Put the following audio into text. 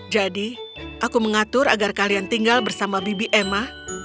jadi aku mengatur agar kalian tinggal bersama bibi emma